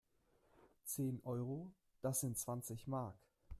Zehn Euro? Das sind zwanzig Mark!